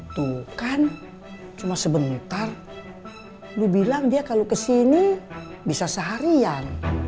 tuh kan cuma sebentar lu bilang dia kalau kesini bisa seharian